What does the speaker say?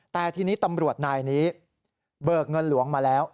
แต่ทีนี้ตำรวจนายนี้เบิกเงินหลวงมาแล้ว